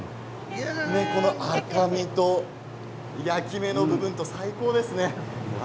赤身と焼き目の部分が最高ですね。